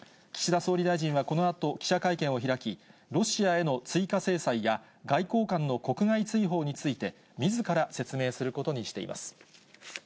岸田総理大臣はこのあと記者会見を開き、ロシアへの追加制裁や外交官の国外追放について、みずから説明することにしています。